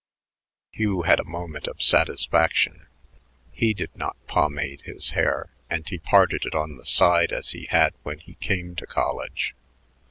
Hugh had a moment of satisfaction. He did not pomade his hair, and he parted it on the side as he had when he came to college.